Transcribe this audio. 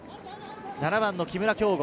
７番の木村匡吾。